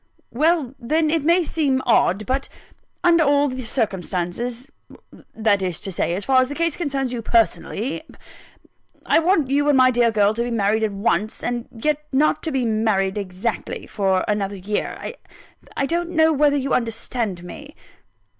"Well, then, it may seem odd; but under all the circumstances that is to say, as far as the case concerns you personally I want you and my dear girl to be married at once, and yet not to be married exactly, for another year. I don't know whether you understand me?"